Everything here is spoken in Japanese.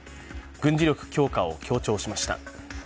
軍事力強化を強調しました。